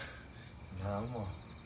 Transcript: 何も。